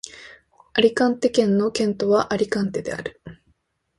アリカンテ県の県都はアリカンテである